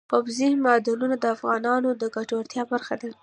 اوبزین معدنونه د افغانانو د ګټورتیا برخه ده.